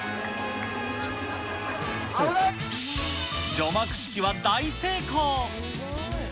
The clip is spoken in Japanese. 除幕式は大成功。